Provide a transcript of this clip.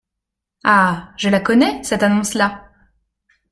Ah ! je la connais, cette annonce-là.